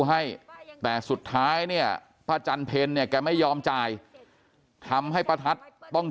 ให้แต่สุดท้ายเนี่ยป้าจันเพลเนี่ยแกไม่ยอมจ่ายทำให้ป้าทัศน์ต้อง